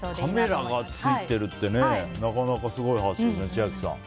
カメラが付いてるってなかなかすごい発想。